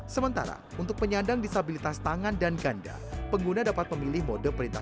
sementara untuk penyandang disabilitas tangan dan ganda pengguna dapat memilih mode manual dan remote navigation